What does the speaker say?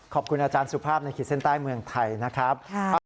ขอบคุณอาจารย์สุภาพในขีดเส้นใต้เมืองไทยนะครับ